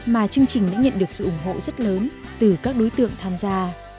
mà chương trình đã nhận được sự ủng hộ rất lớn từ các đối tượng tham gia